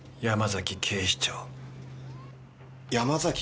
山崎警視長？